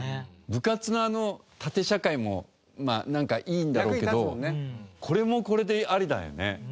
部活のあの縦社会もなんかいいんだろうけどこれもこれでありだよね。